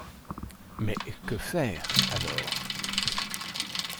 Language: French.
Mais que faire alors